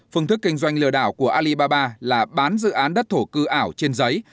phương thức kinh doanh lừa đảo của alibaba là bán dự án đất thổ cư ảo trên giấy